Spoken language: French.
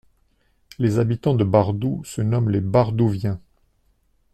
Les habitants de Bardou se nomment les Bardoviens.